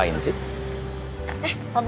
ya siap pak